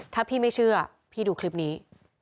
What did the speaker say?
ถ้าพี่ไม่เชื่อพี่ดูคลิปนี้